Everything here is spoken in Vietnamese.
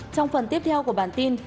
trong phần tiếp theo của bản tin